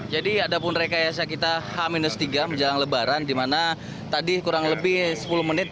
jadi ada pun rekayasa kita h tiga menjelang lebaran di mana tadi kurang lebih sepuluh menit